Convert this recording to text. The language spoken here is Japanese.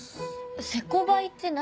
セコヴァイって何？